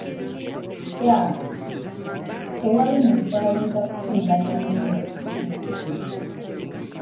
Jack, tewali muntu ayinza kusinga Namiiro kuzina.